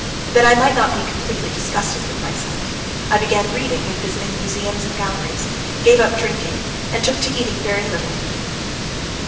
That I might not be completely disgusted with myself, I began reading and visiting museums and galleries, gave up drinking and took to eating very little.